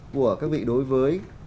của các vị đối với